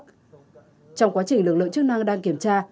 trong quá trình lực lượng chức năng đang kiểm tra